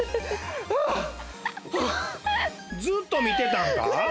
ずっと見てたんか？